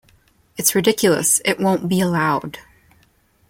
It's ridiculous; it won't be allowed.